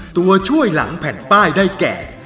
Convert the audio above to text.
ตัวช่วยหลังแผ่นป้ายได้แก่